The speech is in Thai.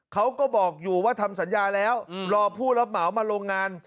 เขาก็บอกอยู่ว่าทำสัญญาแล้วรอผู้รับเหมามาโรงงาน